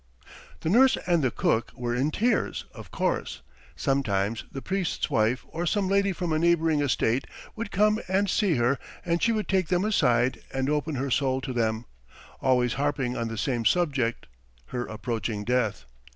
"The nurse and the cook were in tears, of course. Sometimes the priest's wife or some lady from a neighbouring estate would come and see her and she would take them aside and open her soul to them, always harping on the same subject, her approaching death.